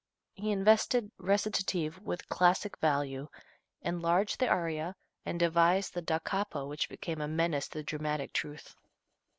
He invested recitative with classic value, enlarged the aria, and devised the da capo which became a menace to dramatic truth.